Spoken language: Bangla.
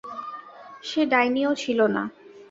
সে ডাইনি ও ছিল না।